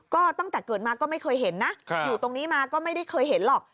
ก็ตั้งแต่เกิดมาก็ไม่เคยเห็นนะอยู่ตรงนี้มาก็ไม่ได้เคยเห็นหรอก